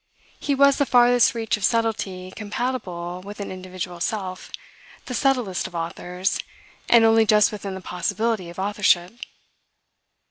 He was the farthest reach of subtlety compatible with an individual self, the subtilest of authors, and only just within the possibility of authorship.